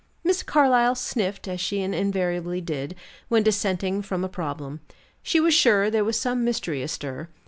Miss Carlyle sniffed, as she invariably did, when dissenting from a problem. She was sure there was some mystery astir.